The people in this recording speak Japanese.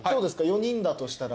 ４人だとしたら。